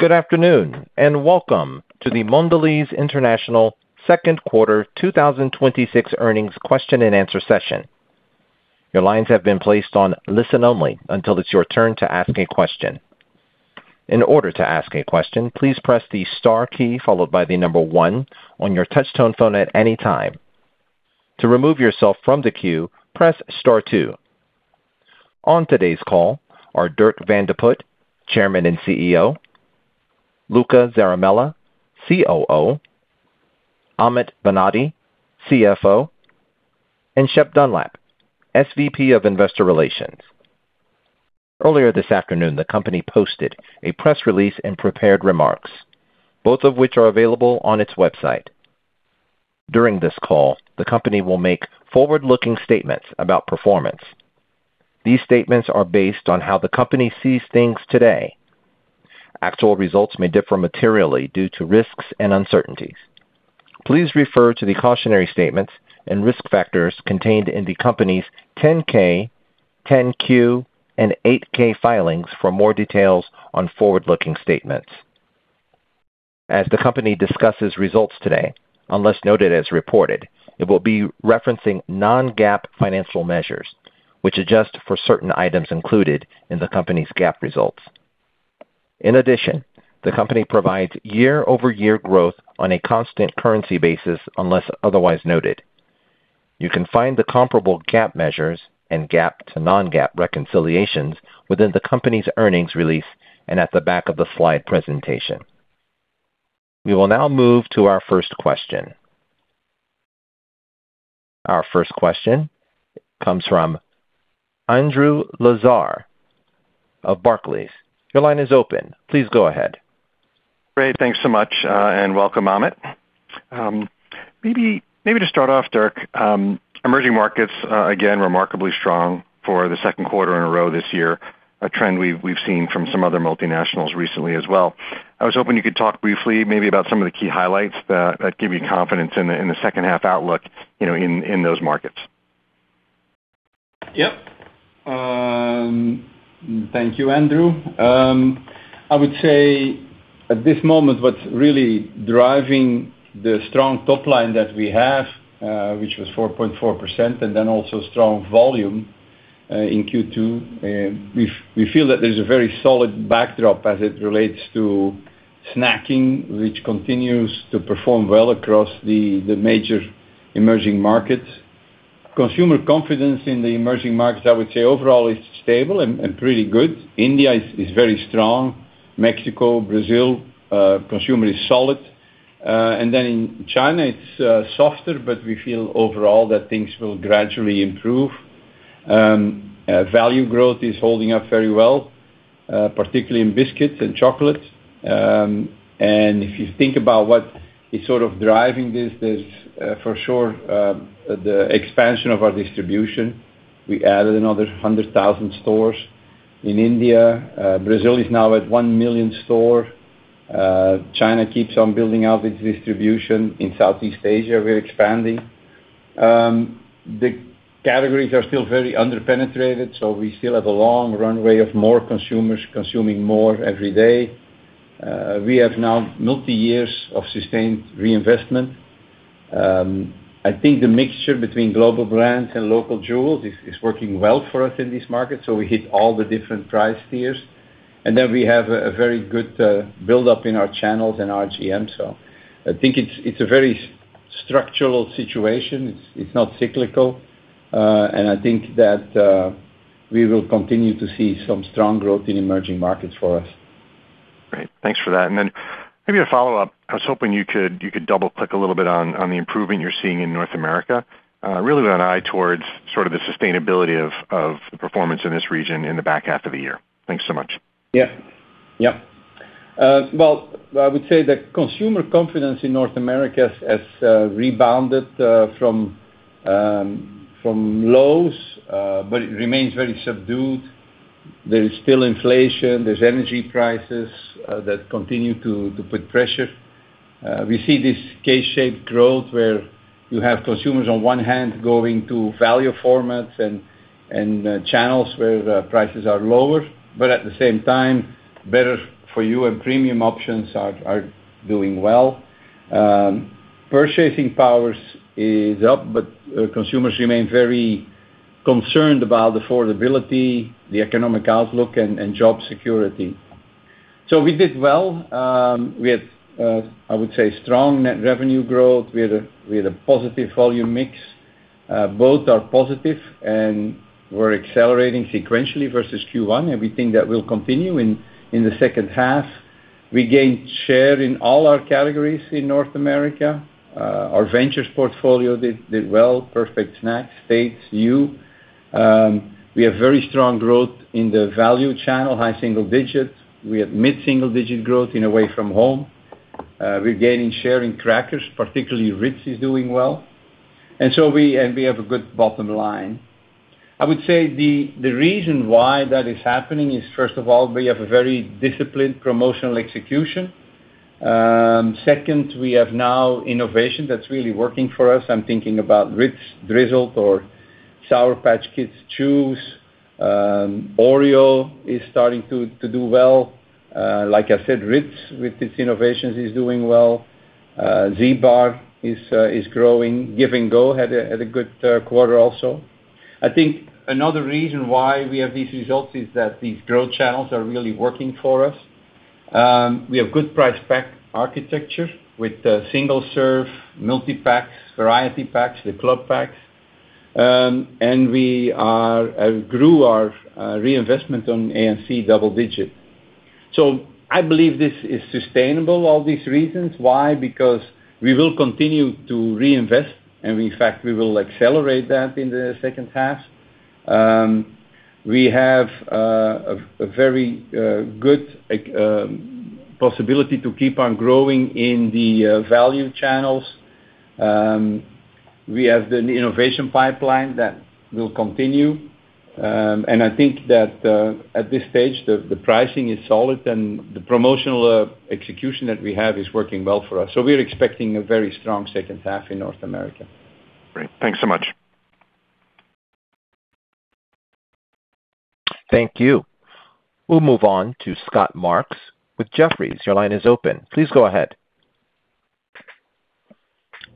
Good afternoon, welcome to the Mondelēz International Q2 2026 earnings question and answer session. Your lines have been placed on listen only until it's your turn to ask a question. In order to ask a question, please press the star key followed by the number one on your touch tone phone at any time. To remove yourself from the queue, press star two. On today's call are Dirk Van de Put, Chairman and Chief Executive Officer, Luca Zaramella, Chief Operating Officer, Amit Banati, Chief Financial Officer, and Shep Dunlap, Senior Vice President of Investor Relations. Earlier this afternoon, the company posted a press release and prepared remarks, both of which are available on its website. During this call, the company will make forward-looking statements about performance. These statements are based on how the company sees things today. Actual results may differ materially due to risks and uncertainties. Please refer to the cautionary statements and risk factors contained in the company's 10-K, 10-Q, and 8-K filings for more details on forward-looking statements. As the company discusses results today, unless noted as reported, it will be referencing non-GAAP financial measures, which adjust for certain items included in the company's GAAP results. In addition, the company provides year-over-year growth on a constant currency basis unless otherwise noted. You can find the comparable GAAP measures and GAAP to non-GAAP reconciliations within the company's earnings release and at the back of the slide presentation. We will now move to our first question. Our first question comes from Andrew Lazar of Barclays. Your line is open. Please go ahead. Great. Thanks so much, welcome, Amit. Maybe to start off, Dirk, emerging markets, again, remarkably strong for the Q2 in a row this year, a trend we've seen from some other multinationals recently as well. I was hoping you could talk briefly maybe about some of the key highlights that give you confidence in the second half outlook in those markets. Yep. Thank you, Andrew. I would say at this moment, what's really driving the strong top line that we have, which was 4.4%, then also strong volume, in Q2, we feel that there's a very solid backdrop as it relates to snacking, which continues to perform well across the major emerging markets. Consumer confidence in the emerging markets, I would say, overall is stable and pretty good. India is very strong. Mexico, Brazil, consumer is solid. Then in China, it's softer, but we feel overall that things will gradually improve. Value growth is holding up very well, particularly in biscuits and chocolate. If you think about what is sort of driving this, there's for sure the expansion of our distribution. We added another 100,000 stores in India. Brazil is now at one million stores. China keeps on building out its distribution. In Southeast Asia, we're expanding. The categories are still very under-penetrated, we still have a long runway of more consumers consuming more every day. We have now multi-years of sustained reinvestment. I think the mixture between global brands and local jewels is working well for us in this market, we hit all the different price tiers. We have a very good buildup in our channels and RGM. I think it's a very structural situation. It's not cyclical. I think that we will continue to see some strong growth in emerging markets for us. Great. Thanks for that. Maybe a follow-up. I was hoping you could double-click a little bit on the improvement you're seeing in North America. Really with an eye towards sort of the sustainability of the performance in this region in the back half of the year. Thanks so much. Yeah. Well, I would say that consumer confidence in North America has rebounded from lows, but it remains very subdued. There is still inflation, there's energy prices that continue to put pressure. We see this K-shaped growth where you have consumers on one hand going to value formats and channels where the prices are lower, but at the same time, better for you and premium options are doing well. Purchasing powers is up, but consumers remain very concerned about affordability, the economic outlook, and job security. We did well. We had, I would say, strong net revenue growth. We had a positive volume mix. Both are positive, and we're accelerating sequentially versus Q1, and we think that will continue in the second half. We gained share in all our categories in North America. Our ventures portfolio did well, Perfect Snacks, Tate's, Hu. We have very strong growth in the value channel, high single digits. We have mid-single-digit growth in away from home. We're gaining share in crackers, particularly RITZ is doing well. We have a good bottom line. I would say the reason why that is happening is, first of all, we have a very disciplined promotional execution. Second, we have now innovation that's really working for us. I'm thinking about RITZ Drizzled or Sour Patch Kids Chews. Oreo is starting to do well. Like I said, RITZ with its innovations is doing well. ZBar is growing. Give & Go had a good quarter also. Another reason why we have these results is that these growth channels are really working for us. We have good price pack architecture with the single-serve multi-packs, variety packs, the club packs. We grew our reinvestment on A&C double digit. I believe this is sustainable, all these reasons. Why? Because we will continue to reinvest, and in fact, we will accelerate that in the second half. We have a very good possibility to keep on growing in the value channels. We have the innovation pipeline that will continue. I think that at this stage, the pricing is solid and the promotional execution that we have is working well for us. We are expecting a very strong second half in North America. Great. Thanks so much. Thank you. We'll move on to Scott Marks with Jefferies. Your line is open. Please go ahead.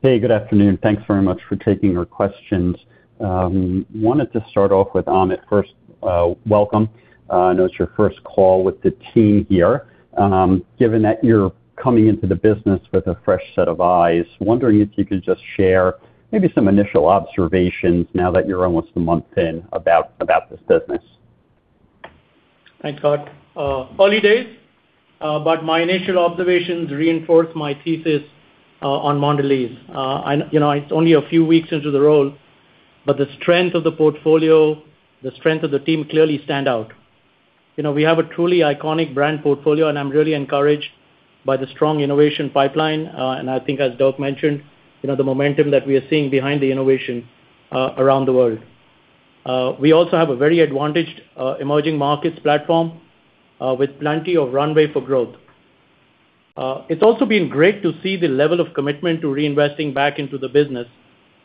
Hey, good afternoon. Thanks very much for taking our questions. Wanted to start off with Amit first. Welcome. I know it's your first call with the team here. Given that you're coming into the business with a fresh set of eyes, wondering if you could just share maybe some initial observations now that you're almost a month in about this business. Thanks, Scott. Early days, but my initial observations reinforce my thesis on Mondelēz. It's only a few weeks into the role, but the strength of the portfolio, the strength of the team clearly stand out. We have a truly iconic brand portfolio, and I'm really encouraged by the strong innovation pipeline, and I think as Dirk mentioned, the momentum that we are seeing behind the innovation around the world. We also have a very advantaged emerging markets platform with plenty of runway for growth. It's also been great to see the level of commitment to reinvesting back into the business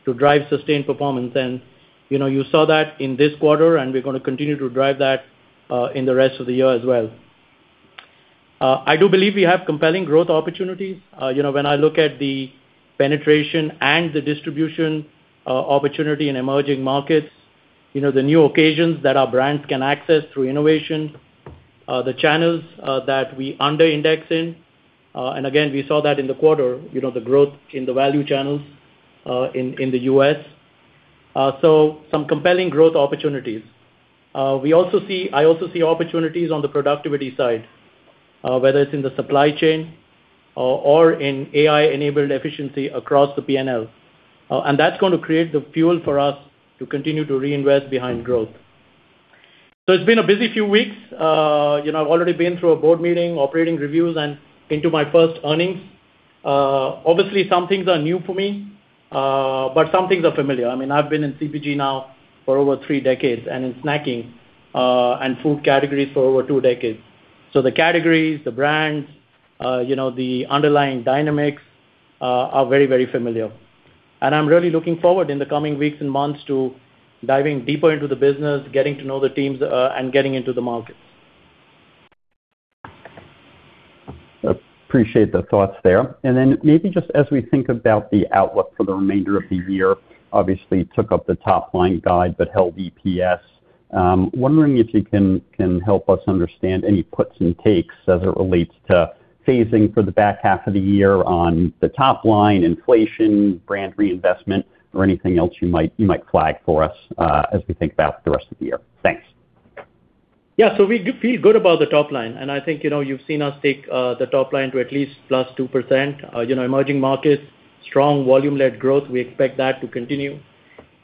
to drive sustained performance. You saw that in this quarter, and we're going to continue to drive that in the rest of the year as well. I do believe we have compelling growth opportunities. When I look at the penetration and the distribution opportunity in emerging markets, the new occasions that our brands can access through innovation, the channels that we under-index in. Again, we saw that in the quarter, the growth in the value channels in the U.S. Some compelling growth opportunities. I also see opportunities on the productivity side, whether it's in the supply chain or in AI-enabled efficiency across the P&L. That's going to create the fuel for us to continue to reinvest behind growth. It's been a busy few weeks. I've already been through a board meeting, operating reviews, and into my first earnings. Obviously, some things are new for me, but some things are familiar. I've been in CPG now for over three decades and in snacking and food categories for over two decades. The categories, the brands, the underlying dynamics are very familiar. I'm really looking forward in the coming weeks and months to diving deeper into the business, getting to know the teams and getting into the markets. Appreciate the thoughts there. Then maybe just as we think about the outlook for the remainder of the year, obviously took up the top-line guide, but held EPS. Wondering if you can help us understand any puts and takes as it relates to phasing for the back half of the year on the top line, inflation, brand reinvestment, or anything else you might flag for us as we think about the rest of the year. Thanks. We feel good about the top line. I think you've seen us take the top line to at least +2%. Emerging markets, strong volume-led growth. We expect that to continue.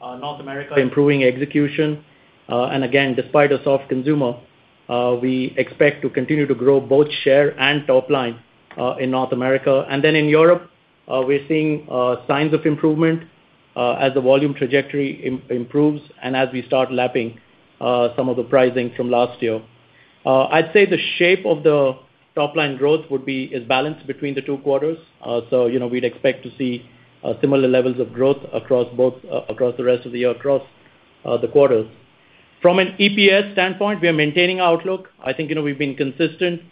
North America, improving execution. Again, despite a soft consumer, we expect to continue to grow both share and top line in North America. In Europe, we're seeing signs of improvement as the volume trajectory improves and as we start lapping some of the pricing from last year. I'd say the shape of the top-line growth is balanced between the two quarters. We'd expect to see similar levels of growth across the rest of the year, across the quarters. From an EPS standpoint, we are maintaining our outlook. I think we've been consistent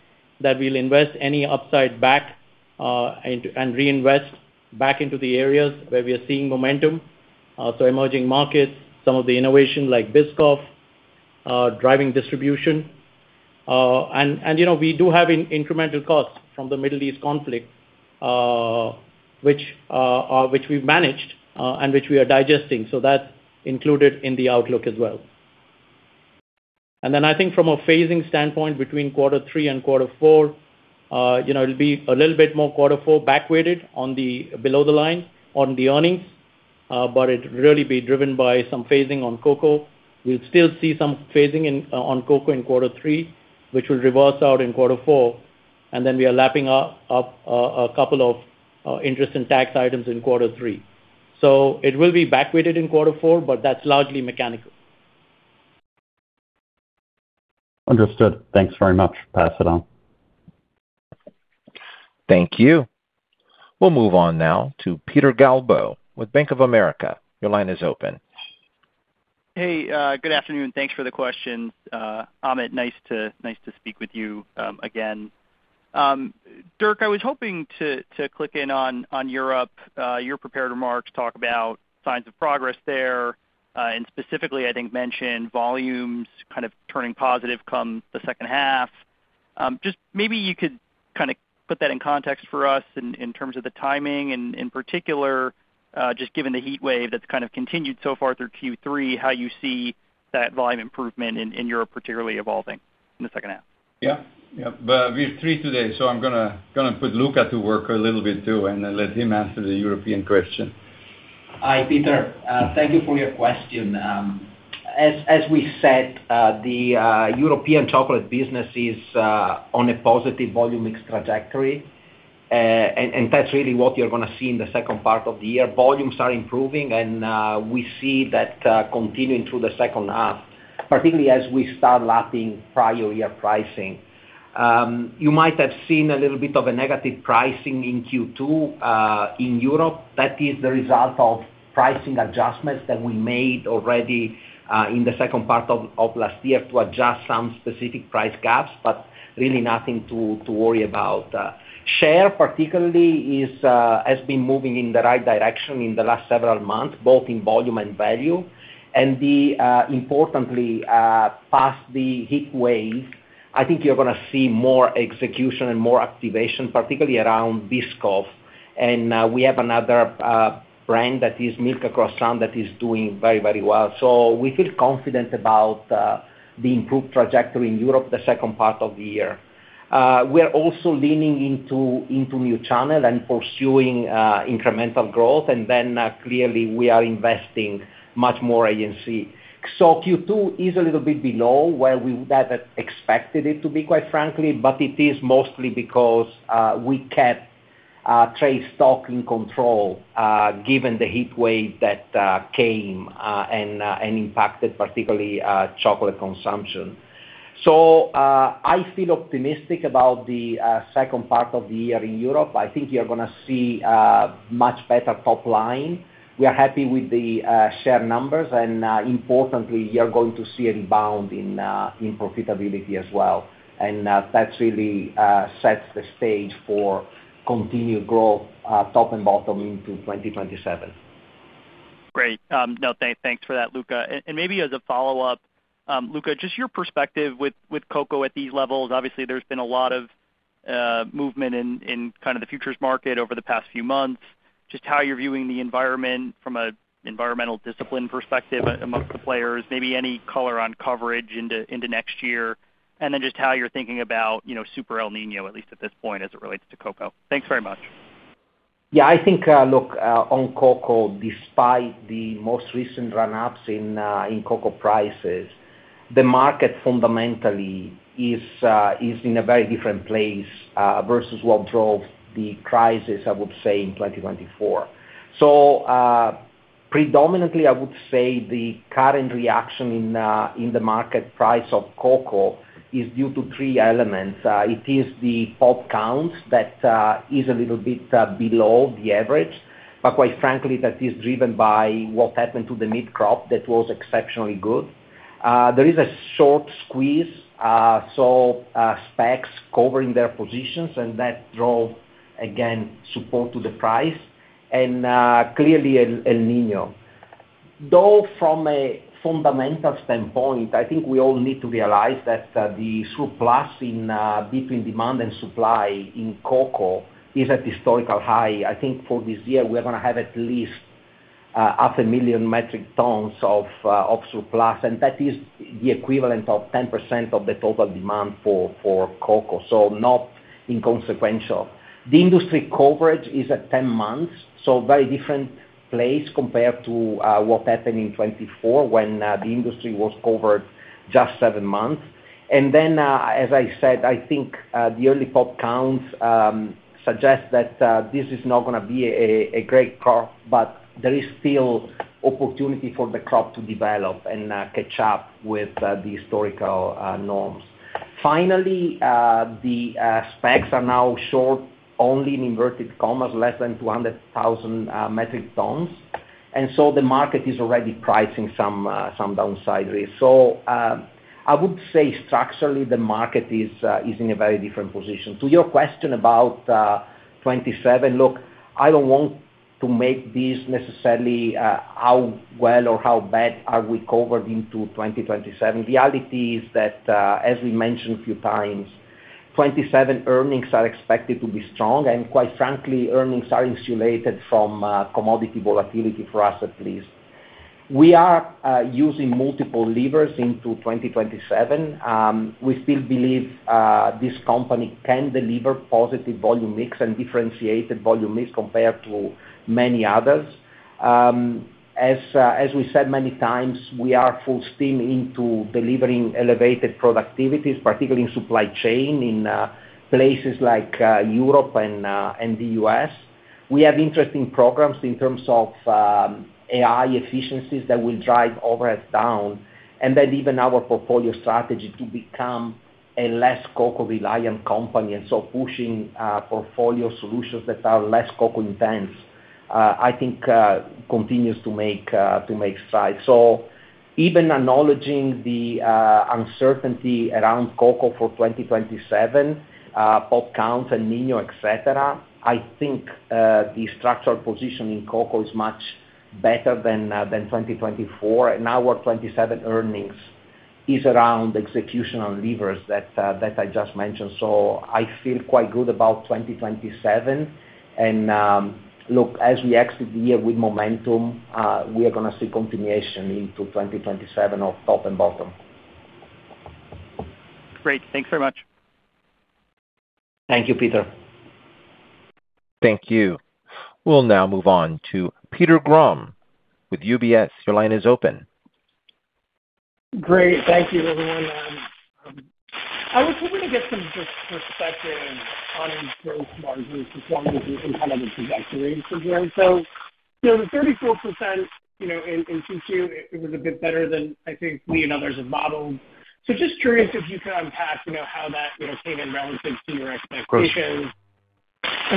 that we'll invest any upside back and reinvest back into the areas where we are seeing momentum. Emerging markets, some of the innovation like Biscoff, driving distribution. We do have incremental costs from the Middle East conflict, which we've managed and which we are digesting. That included in the outlook as well. I think from a phasing standpoint between Q3 and Q4, it'll be a little bit more quarter four back-weighted below the line on the earnings, but it really be driven by some phasing on cocoa. We'll still see some phasing on cocoa in Q3, which will reverse out in Q4. We are lapping up a couple of interest and tax items in Q3. It will be back-weighted in Q4, but that's largely mechanical. Understood. Thanks very much. Pass it on. Thank you. We'll move on now to Peter Galbo with Bank of America. Your line is open. Hey, good afternoon. Thanks for the questions. Amit, nice to speak with you again. Dirk, I was hoping to click in on Europe. Your prepared remarks talk about signs of progress there, and specifically, I think mentioned volumes kind of turning positive come the second half. Just maybe you could put that in context for us in terms of the timing and in particular, just given the heat wave that's kind of continued so far through Q3, how you see that volume improvement in Europe particularly evolving in the second half. Yeah. We are three today. I'm going to put Luca to work a little bit too and let him answer the European question. Hi, Peter. Thank you for your question. As we said, the European chocolate business is on a positive volume mix trajectory. That's really what you're going to see in the second part of the year. Volumes are improving, and we see that continuing through the second half, particularly as we start lapping prior year pricing. You might have seen a little bit of a negative pricing in Q2 in Europe. That is the result of pricing adjustments that we made already in the second part of last year to adjust some specific price gaps, really nothing to worry about. Share particularly has been moving in the right direction in the last several months, both in volume and value. Importantly, past the heat wave, I think you're going to see more execution and more activation, particularly around Biscoff. We have another brand that is Milka Choco Croissant that is doing very well. We feel confident about the improved trajectory in Europe the second part of the year. We are also leaning into new channel and pursuing incremental growth, clearly we are investing much more agency. Q2 is a little bit below where we would have expected it to be, quite frankly, it is mostly because we kept trade stock in control given the heat wave that came and impacted particularly chocolate consumption. I feel optimistic about the second part of the year in Europe. I think you're going to see a much better top line. We are happy with the share numbers. Importantly, you are going to see a rebound in profitability as well. That really sets the stage for continued growth, top and bottom into 2027. Great. Thanks for that, Luca. Maybe as a follow-up, Luca, just your perspective with cocoa at these levels. Obviously, there's been a lot of movement in the futures market over the past few months. Just how you're viewing the environment from an environmental discipline perspective amongst the players, maybe any color on coverage into next year, and then just how you're thinking about super El Niño, at least at this point, as it relates to cocoa. Thanks very much. Yeah, I think, look, on cocoa, despite the most recent run-ups in cocoa prices, the market fundamentally is in a very different place versus what drove the crisis, I would say, in 2024. Predominantly, I would say the current reaction in the market price of cocoa is due to three elements. It is the pod counts that is a little bit below the average, but quite frankly, that is driven by what happened to the mid crop that was exceptionally good. There is a short squeeze, so specs covering their positions, and that drove, again, support to the price, and clearly El Niño. Though from a fundamental standpoint, I think we all need to realize that the surplus between demand and supply in cocoa is at historical high. I think for this year, we are going to have at least half a million metric tons of surplus, and that is the equivalent of 10% of the total demand for cocoa. Not inconsequential. The industry coverage is at 10 months, so very different place compared to what happened in 2024 when the industry was covered just seven months. Then, as I said, I think the early pod counts suggest that this is not going to be a great crop, but there is still opportunity for the crop to develop and catch up with the historical norms. Finally, the specs are now short, only in inverted commas, less than 200,000 metric tons. The market is already pricing some downside risk. I would say structurally, the market is in a very different position. To your question about 2027, look, I don't want to make this necessarily how well or how bad are we covered into 2027. Reality is that, as we mentioned a few times, 2027 earnings are expected to be strong and quite frankly, earnings are insulated from commodity volatility for us at least. We are using multiple levers into 2027. We still believe this company can deliver positive volume mix and differentiated volume mix compared to many others. As we said many times, we are full steam into delivering elevated productivities, particularly in supply chain in places like Europe and the U.S. We have interesting programs in terms of AI efficiencies that will drive overhead down and then even our portfolio strategy to become a less cocoa-reliant company, and so pushing portfolio solutions that are less cocoa-intense, I think, continues to make strides. Even acknowledging the uncertainty around cocoa for 2027, pulp count, El Niño, et cetera, I think the structural position in cocoa is much better than 2024. Our 2027 earnings is around executional levers that I just mentioned. I feel quite good about 2027, and look, as we exit the year with momentum, we are going to see continuation into 2027 of top and bottom. Great. Thanks very much. Thank you, Peter. Thank you. We'll now move on to Peter Grom with UBS. Your line is open. Great. Thank you, everyone. I was hoping to get some just perspective on gross margin sequentially and kind of the trajectory from here. The 34% in Q2, it was a bit better than I think me and others have modeled. Just curious if you could unpack how that came in relative to your expectations. Of course.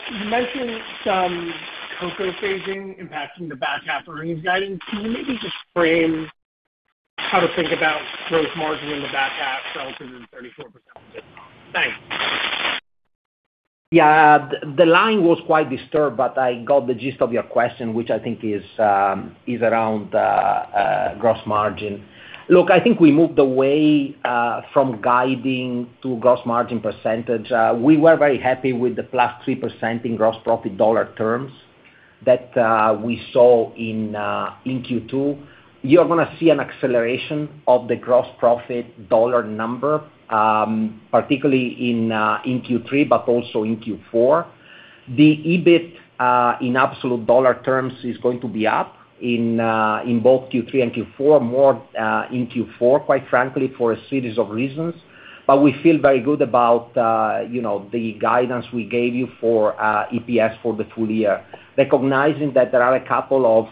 You mentioned some cocoa phasing impacting the back half earnings guidance. Can you maybe just frame how to think about gross margin in the back half relative to the 34%? Thanks. Yeah. The line was quite disturbed, I got the gist of your question, which I think is around gross margin. Look, I think we moved away from guiding to gross margin percentage. We were very happy with the +3% in gross profit dollar terms that we saw in Q2. You are going to see an acceleration of the gross profit dollar number, particularly in Q3, also in Q4. The EBIT in absolute dollar terms is going to be up in both Q3 and Q4, more in Q4, quite frankly, for a series of reasons. We feel very good about the guidance we gave you for EPS for the full year, recognizing that there are a couple of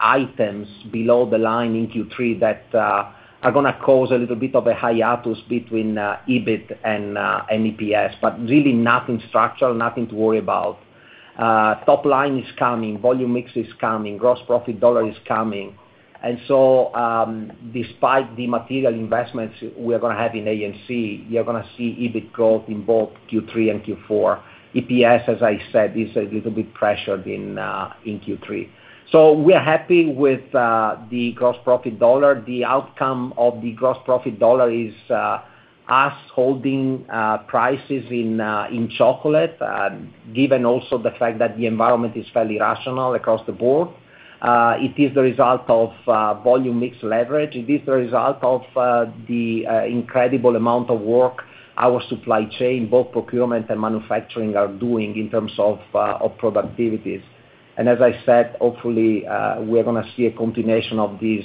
items below the line in Q3 that are going to cause a little bit of a hiatus between EBIT and EPS. Really nothing structural, nothing to worry about. Top line is coming, volume mix is coming, gross profit dollar is coming. Despite the material investments we are going to have in A&C, you are going to see EBIT growth in both Q3 and Q4. EPS, as I said, is a little bit pressured in Q3. We are happy with the gross profit dollar. The outcome of the gross profit dollar is us holding prices in chocolate, given also the fact that the environment is fairly rational across the board. It is the result of volume mix leverage. It is the result of the incredible amount of work our supply chain, both procurement and manufacturing, are doing in terms of productivities. As I said, hopefully, we are going to see a continuation of this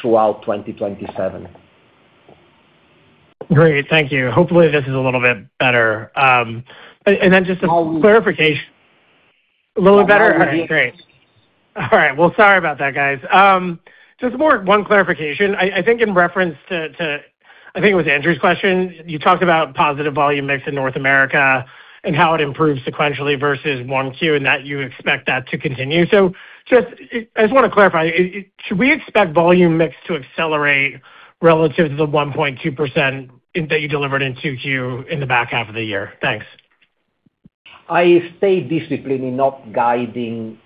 throughout 2027. Great. Thank you. Hopefully, this is a little bit better. Just a clarification. How- A little better? All right, great. All right. Well, sorry about that, guys. Just one more clarification. I think in reference to, I think it was Andrew Lazar's question, you talked about positive volume mix in North America and how it improved sequentially versus Q1 and that you expect that to continue. I just want to clarify. Should we expect volume mix to accelerate relative to the 1.2% that you delivered in Q2 in the back half of the year? Thanks. I stay disciplined in not guiding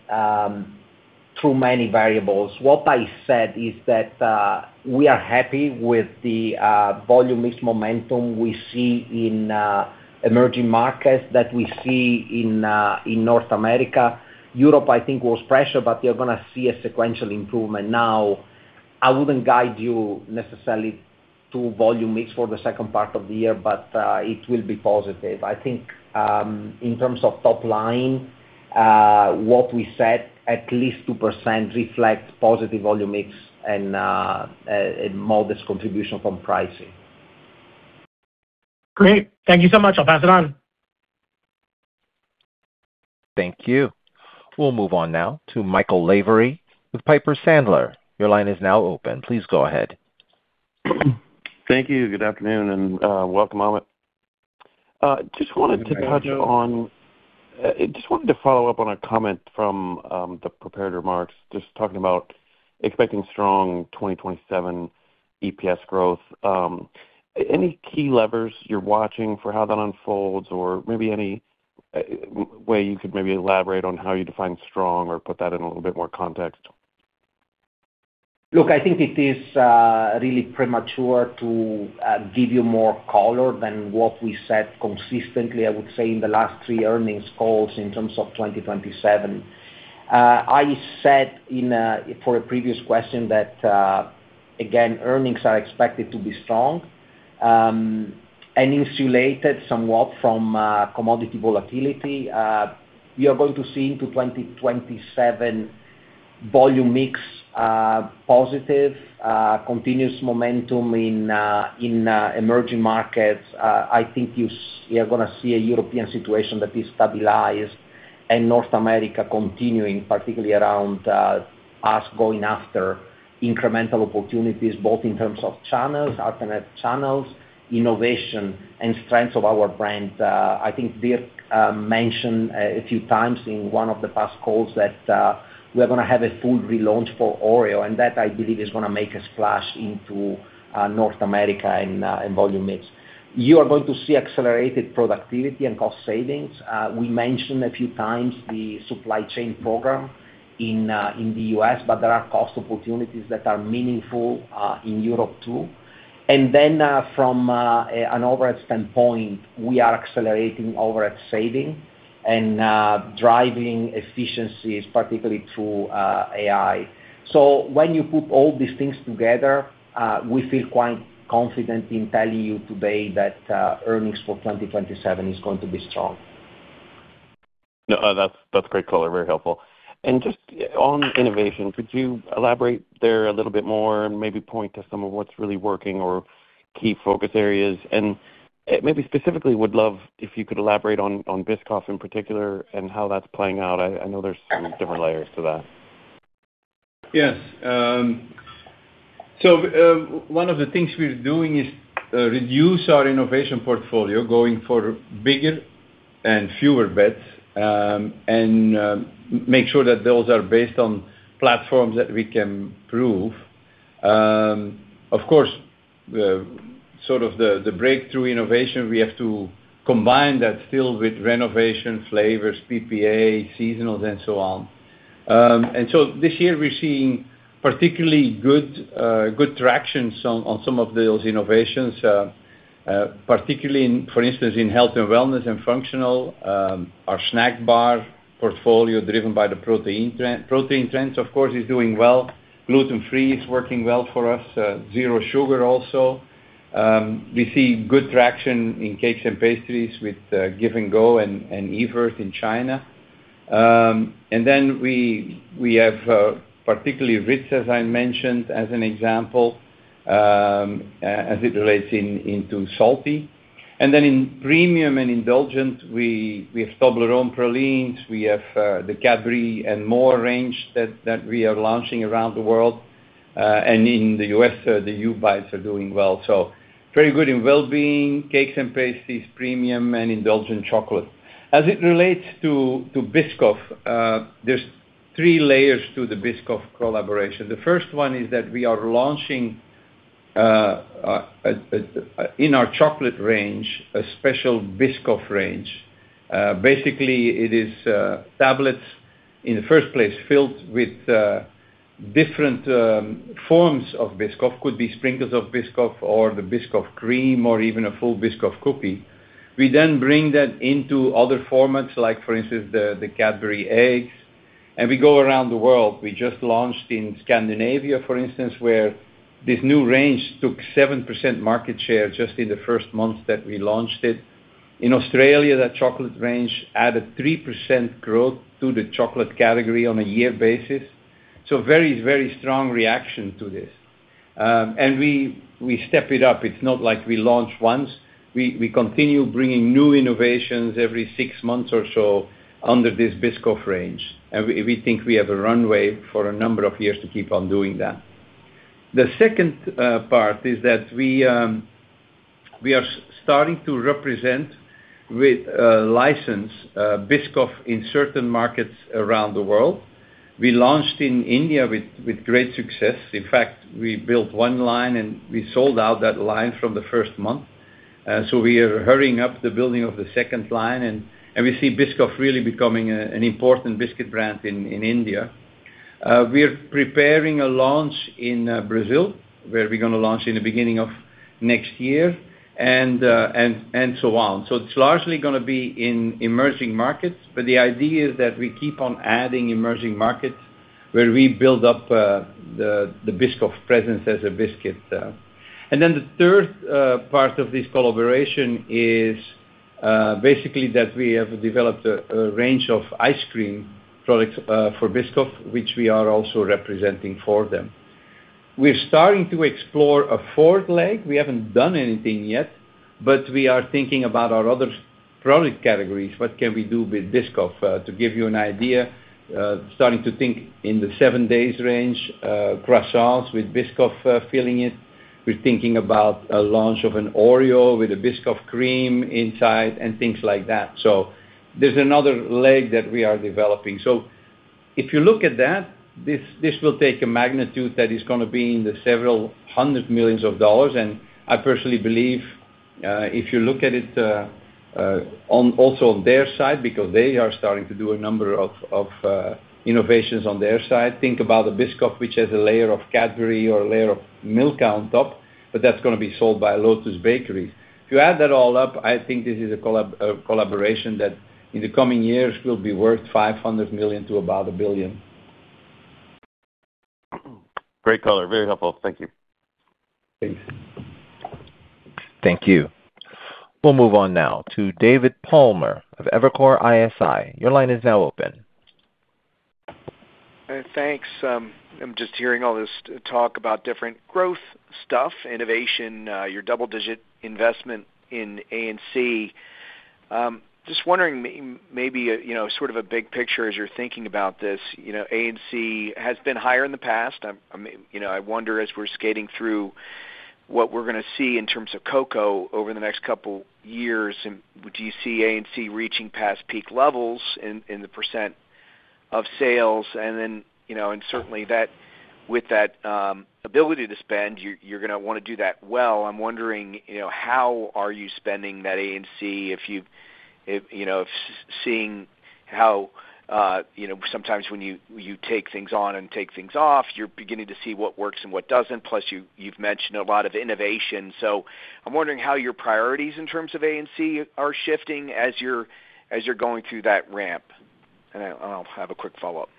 too many variables. What I said is that we are happy with the volume mix momentum we see in emerging markets, that we see in North America. Europe, I think, was pressured, but you're going to see a sequential improvement. I wouldn't guide you necessarily to volume mix for the second part of the year, but it will be positive. I think, in terms of top line, what we said, at least 2%, reflects positive volume mix and a modest contribution from pricing. Great. Thank you so much. I'll pass it on. Thank you. We'll move on now to Michael Lavery with Piper Sandler. Your line is now open. Please go ahead. Thank you. Good afternoon, and welcome, Amit. Just wanted to follow up on a comment from the prepared remarks, just talking about expecting strong 2027 EPS growth. Any key levers you're watching for how that unfolds or maybe any way you could maybe elaborate on how you define strong or put that in a little bit more context? Look, I think it is really premature to give you more color than what we said consistently, I would say, in the last three earnings calls in terms of 2027. I said for a previous question that, again, earnings are expected to be strong, and insulated somewhat from commodity volatility. You are going to see into 2027 volume mix positive, continuous momentum in emerging markets. I think you are going to see a European situation that is stabilized and North America continuing, particularly around us going after incremental opportunities, both in terms of channels, alternate channels, innovation, and strength of our brand. I think Dirk mentioned a few times in one of the past calls that we're going to have a full relaunch for Oreo, and that, I believe, is going to make a splash into North America in volume mix. You are going to see accelerated productivity and cost savings. We mentioned a few times the supply chain program in the U.S., but there are cost opportunities that are meaningful in Europe, too. From an overhead standpoint, we are accelerating overhead saving and driving efficiencies, particularly through AI. When you put all these things together, we feel quite confident in telling you today that earnings for 2027 is going to be strong. No, that's great color. Very helpful. On innovation, could you elaborate there a little bit more and maybe point to some of what's really working or key focus areas? Specifically, would love if you could elaborate on Biscoff in particular and how that's playing out. I know there's some different layers to that. Yes. One of the things we're doing is reduce our innovation portfolio, going for bigger and fewer bets, and make sure that those are based on platforms that we can prove. Of course, the breakthrough innovation, we have to combine that still with renovation, flavors, PPA, seasonals, and so on. This year, we're seeing particularly good traction on some of those innovations, particularly in, for instance, in health and wellness and functional. Our snack bar portfolio driven by the protein trends, of course, is doing well. Gluten-free is working well for us. Zero sugar also. We see good traction in cakes and pastries with Give & Go and Evirth in China. We have particularly RITZ, as I mentioned, as an example, as it relates into salty. In premium and indulgent, we have Toblerone Pralines, we have the Cadbury and more range that we are launching around the world. In the U.S., the Hu Bites are doing well. Very good in wellbeing, cakes and pastries, premium, and indulgent chocolate. As it relates to Biscoff, there's three layers to the Biscoff collaboration. The first one is that we are launching in our chocolate range, a special Biscoff range. Basically, it is tablets in the first place filled with different forms of Biscoff. Could be sprinkles of Biscoff or the Biscoff cream, or even a full Biscoff cookie. We then bring that into other formats like, for instance, the Cadbury eggs, and we go around the world. We just launched in Scandinavia, for instance, where this new range took 7% market share just in the first month that we launched it. In Australia, that chocolate range added 3% growth to the chocolate category on a year basis. Very strong reaction to this. We step it up. It's not like we launch once. We continue bringing new innovations every six months or so under this Biscoff range. We think we have a runway for a number of years to keep on doing that. The second part is that we are starting to represent with license Biscoff in certain markets around the world. We launched in India with great success. In fact, we built one line and we sold out that line from the first month. We are hurrying up the building of the second line, and we see Biscoff really becoming an important biscuit brand in India. We are preparing a launch in Brazil, where we're going to launch in the beginning of next year, and so on. It's largely going to be in emerging markets, but the idea is that we keep on adding emerging markets where we build up the Biscoff presence as a biscuit. Then the third part of this collaboration is basically that we have developed a range of ice cream products for Biscoff, which we are also representing for them. We're starting to explore a fourth leg. We haven't done anything yet, but we are thinking about our other product categories. What can we do with Biscoff? To give you an idea, starting to think in the 7Days range, croissants with Biscoff filling it. We're thinking about a launch of an Oreo with a Biscoff cream inside and things like that. There's another leg that we are developing. If you look at that, this will take a magnitude that is going to be in the several hundred millions of dollars, and I personally believe, if you look at it also on their side, because they are starting to do a number of innovations on their side. Think about the Biscoff, which has a layer of Cadbury or a layer of Milka on top, but that's going to be sold by Lotus Bakeries. If you add that all up, I think this is a collaboration that in the coming years will be worth $500 million to about $1 billion. Great color. Very helpful. Thank you. Thanks. Thank you. We'll move on now to David Palmer of Evercore ISI. Your line is now open. Thanks. I'm just hearing all this talk about different growth stuff, innovation, your double-digit investment in A&C. Just wondering, maybe, sort of a big picture as you're thinking about this, A&C has been higher in the past. I wonder as we're skating through what we're going to see in terms of cocoa over the next couple of years, do you see A&C reaching past peak levels in the percent of sales? Certainly with that ability to spend, you're going to want to do that well. I'm wondering, how are you spending that A&C? If seeing how sometimes when you take things on and take things off, you're beginning to see what works and what doesn't, plus you've mentioned a lot of innovation. I'm wondering how your priorities in terms of A&C are shifting as you're going through that ramp. I'll have a quick follow-up.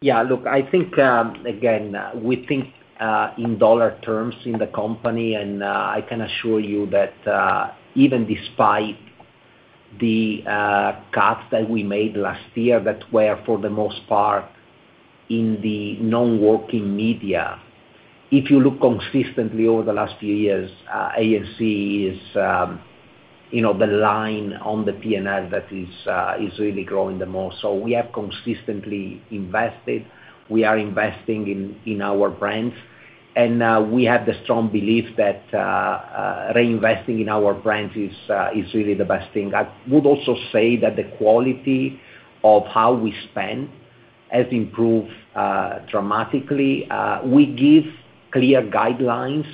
Yeah, look, I think, again, we think in dollar terms in the company, and I can assure you that, even despite the cuts that we made last year that were, for the most part, in the non-working media, if you look consistently over the last few years, A&C is the line on the P&L that is really growing the most. We have consistently invested. We are investing in our brands, and we have the strong belief that reinvesting in our brands is really the best thing. I would also say that the quality of how we spend has improved dramatically. We give clear guidelines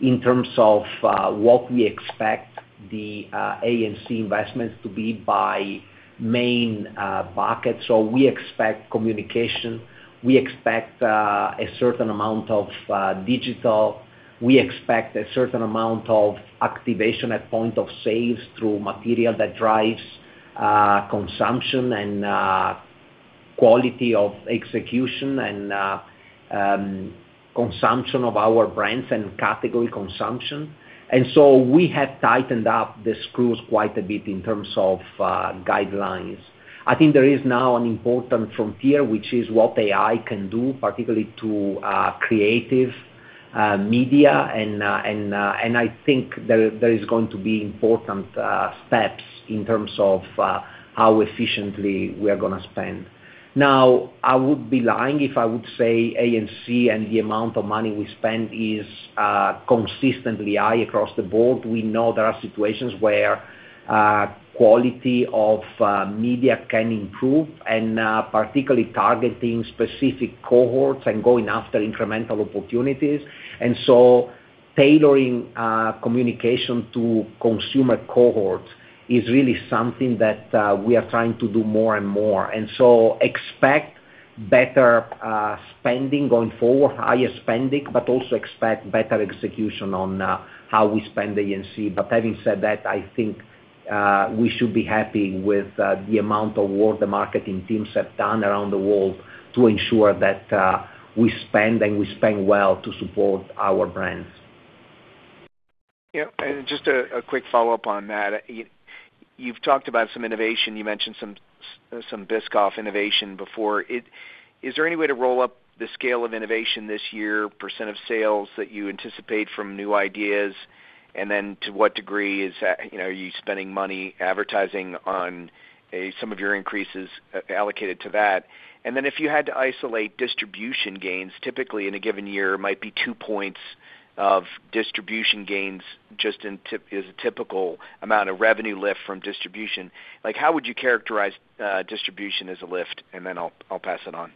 in terms of what we expect the A&C investments to be by main buckets. We expect communication, we expect a certain amount of digital. We expect a certain amount of activation at point of sales through material that drives consumption and quality of execution and consumption of our brands and category consumption. We have tightened up the screws quite a bit in terms of guidelines. I think there is now an important frontier, which is what AI can do, particularly to creative media, and I think there is going to be important steps in terms of how efficiently we are going to spend. Now, I would be lying if I would say A&C and the amount of money we spend is consistently high across the board. We know there are situations where quality of media can improve and particularly targeting specific cohorts and going after incremental opportunities. Tailoring communication to consumer cohorts is really something that we are trying to do more and more. Expect better spending going forward, higher spending, but also expect better execution on how we spend A&C. Having said that, I think we should be happy with the amount of work the marketing teams have done around the world to ensure that we spend and we spend well to support our brands. Just a quick follow-up on that. You've talked about some innovation. You mentioned some Biscoff innovation before. Is there any way to roll up the scale of innovation this year, percent of sales that you anticipate from new ideas? To what degree are you spending money advertising on some of your increases allocated to that? If you had to isolate distribution gains, typically in a given year, it might be two points of distribution gains just as a typical amount of revenue lift from distribution. How would you characterize distribution as a lift? I'll pass it on.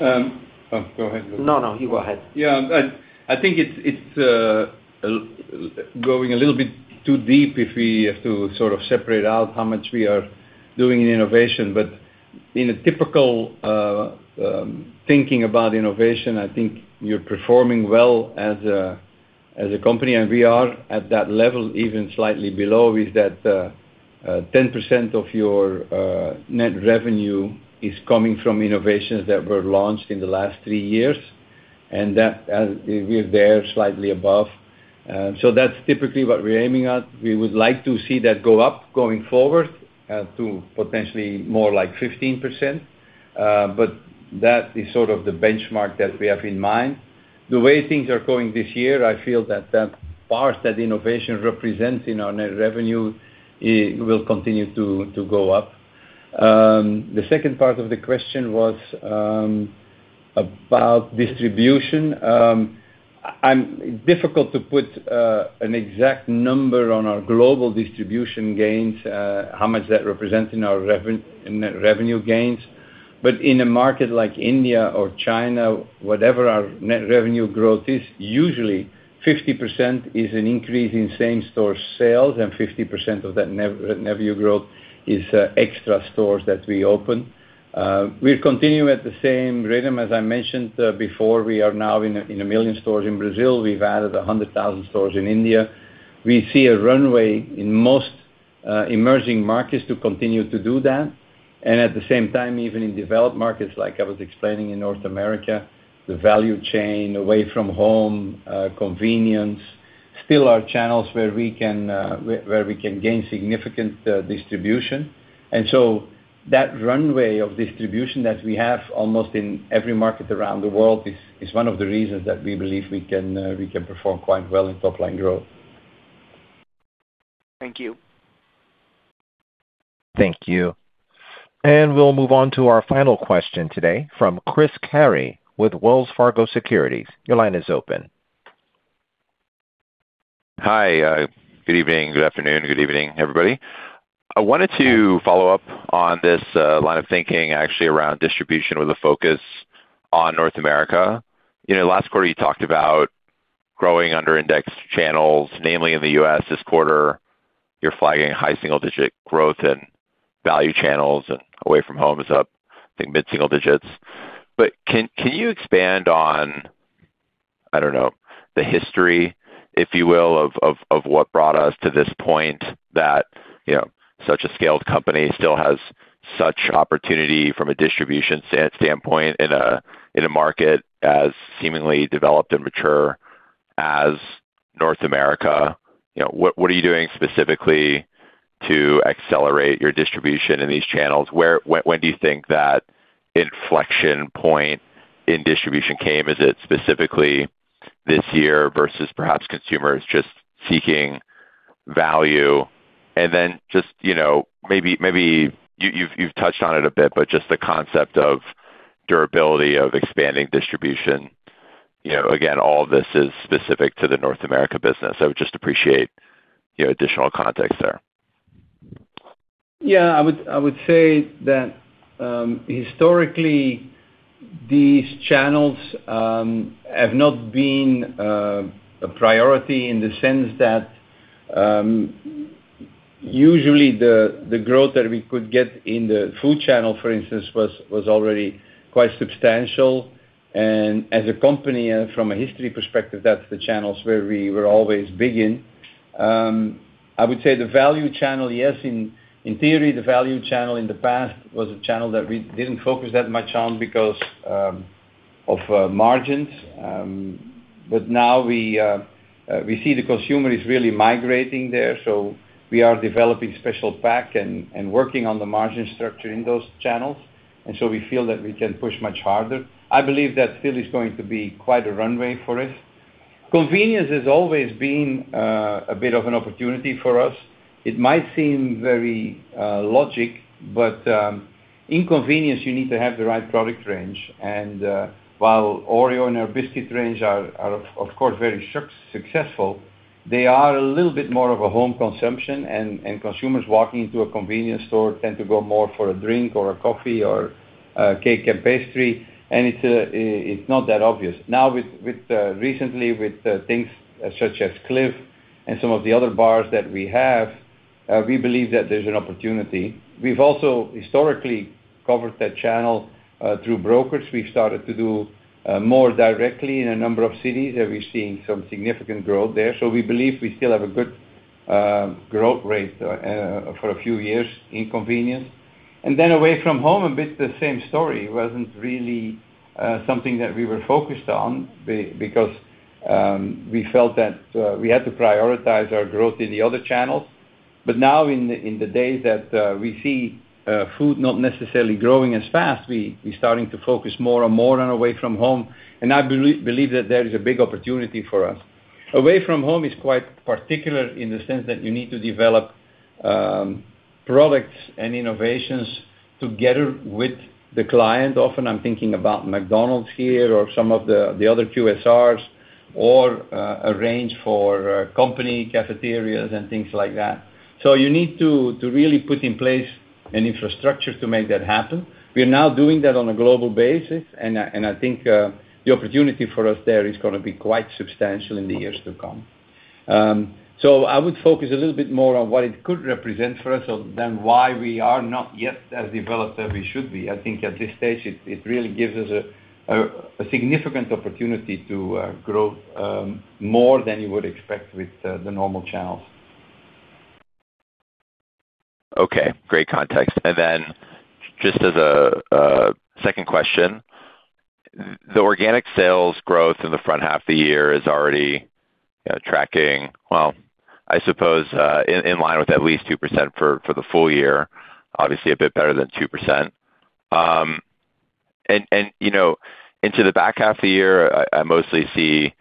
Oh, go ahead. No, you go ahead. Yeah. I think it's going a little bit too deep if we have to sort of separate out how much we are doing in innovation. In a typical thinking about innovation, I think you're performing well as a company, and we are at that level, even slightly below, is that 10% of your net revenue is coming from innovations that were launched in the last three years, and that as we're there, slightly above. That's typically what we're aiming at. We would like to see that go up going forward to potentially more like 15%, but that is sort of the benchmark that we have in mind. The way things are going this year, I feel that that part, that innovation represents in our net revenue, it will continue to go up. The second part of the question was about distribution. Difficult to put an exact number on our global distribution gains, how much that represents in our net revenue gains. In a market like India or China, whatever our net revenue growth is, usually 50% is an increase in same-store sales, and 50% of that revenue growth is extra stores that we open. We'll continue at the same rhythm. As I mentioned before, we are now in one million stores in Brazil. We've added 100,000 stores in India. We see a runway in most emerging markets to continue to do that. At the same time, even in developed markets, like I was explaining in North America, the value chain, away from home, convenience, still are channels where we can gain significant distribution. That runway of distribution that we have almost in every market around the world is one of the reasons that we believe we can perform quite well in top-line growth. Thank you. Thank you. We'll move on to our final question today from Chris Carey with Wells Fargo Securities. Your line is open. Hi. Good evening, good afternoon, good evening, everybody. I wanted to follow up on this line of thinking actually around distribution with a focus on North America. Last quarter, you talked about growing under indexed channels, namely in the U.S. This quarter, you're flagging high single-digit growth in value channels and away from home is up, I think mid-single digits. Can you expand on, I don't know, the history, if you will, of what brought us to this point that such a scaled company still has such opportunity from a distribution standpoint in a market as seemingly developed and mature as North America? What are you doing specifically to accelerate your distribution in these channels? When do you think that inflection point in distribution came? Is it specifically this year versus perhaps consumers just seeking value? Just maybe, you've touched on it a bit, just the concept of durability of expanding distribution. Again, all this is specific to the North America business. I would just appreciate additional context there. I would say that historically these channels have not been a priority in the sense that usually the growth that we could get in the food channel, for instance, was already quite substantial. As a company and from a history perspective, that's the channels where we were always big in. I would say the value channel, yes, in theory, the value channel in the past was a channel that we didn't focus that much on because of margins. Now we see the consumer is really migrating there, so we are developing special pack and working on the margin structure in those channels. We feel that we can push much harder. I believe that still is going to be quite a runway for us. Convenience has always been a bit of an opportunity for us. It might seem very logical, in convenience, you need to have the right product range. While Oreo and our biscuit range are of course, very successful, they are a little bit more of a home consumption and consumers walking into a convenience store tend to go more for a drink or a coffee or a cake and pastry, and it's not that obvious. Now recently, with things such as Clif and some of the other bars that we have, we believe that there's an opportunity. We've also historically covered that channel through brokers. We've started to do more directly in a number of cities, and we're seeing some significant growth there. We believe we still have a good growth rate for a few years in convenience. Away from home, a bit the same story. It wasn't really something that we were focused on because we felt that we had to prioritize our growth in the other channels. Now in the days that we see food not necessarily growing as fast, we're starting to focus more and more on away from home, and I believe that there is a big opportunity for us. Away from home is quite particular in the sense that you need to develop products and innovations together with the client. Often, I'm thinking about McDonald's here or some of the other QSRs or a range for company cafeterias and things like that. You need to really put in place an infrastructure to make that happen. We are now doing that on a global basis, and I think the opportunity for us there is going to be quite substantial in the years to come. I would focus a little bit more on what it could represent for us than why we are not yet as developed as we should be. I think at this stage, it really gives us a significant opportunity to grow more than you would expect with the normal channels. Okay. Great context. Just as a second question, the organic sales growth in the front half of the year is already tracking, well, I suppose, in line with at least 2% for the full year. Obviously a bit better than 2%. Into the back half of the year, I mostly see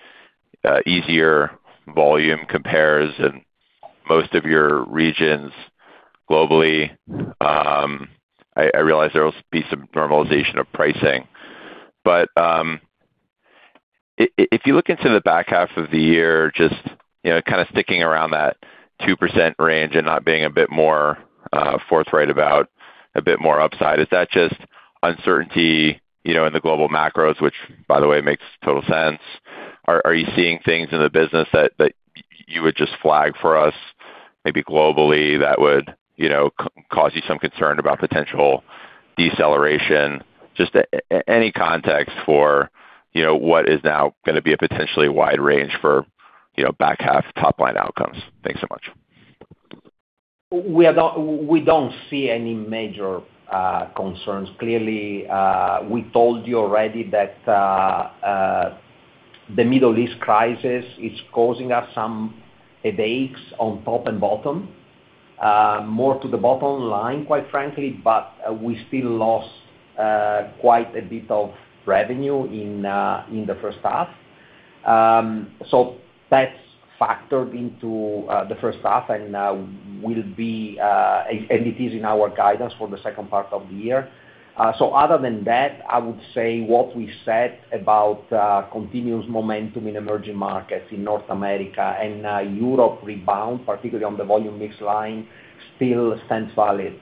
easier volume compares in most of your regions globally. I realize there will be some normalization of pricing. If you look into the back half of the year, just kind of sticking around that 2% range and not being a bit more forthright about a bit more upside, is that just uncertainty in the global macros, which by the way, makes total sense? Are you seeing things in the business that you would just flag for us, maybe globally, that would cause you some concern about potential deceleration? Just any context for what is now going to be a potentially wide range for back half top-line outcomes? Thanks so much. We don't see any major concerns. Clearly, we told you already that the Middle East crisis is causing us some headaches on top and bottom. More to the bottom line, quite frankly, but we still lost quite a bit of revenue in the first half. That's factored into the first half, and it is in our guidance for the second part of the year. Other than that, I would say what we said about continuous momentum in emerging markets in North America and Europe rebound, particularly on the volume mix line, still stands valid.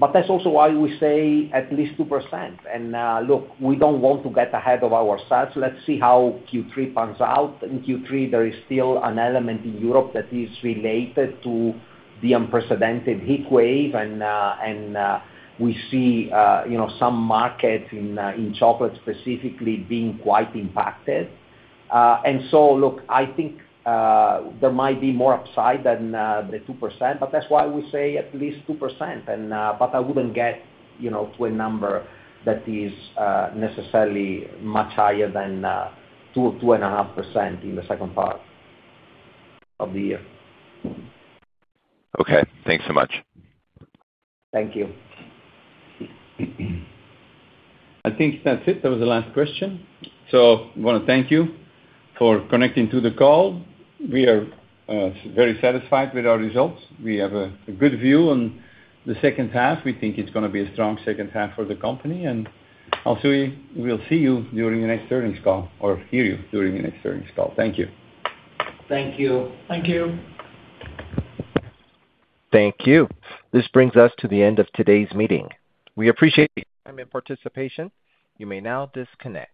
That's also why we say at least 2%. Look, we don't want to get ahead of ourselves. Let's see how Q3 pans out. In Q3, there is still an element in Europe that is related to the unprecedented heatwave. We see some markets in chocolate specifically being quite impacted. Look, I think there might be more upside than the 2%, but that's why we say at least 2%. I wouldn't get to a number that is necessarily much higher than 2% or 2.5% in the second part of the year. Okay. Thanks so much. Thank you. I think that's it. That was the last question. I want to thank you for connecting to the call. We are very satisfied with our results. We have a good view on the second half. We think it's going to be a strong second half for the company, and also, we'll see you during the next earnings call, or hear you during the next earnings call. Thank you. Thank you. Thank you. Thank you. This brings us to the end of today's meeting. We appreciate your time and participation. You may now disconnect.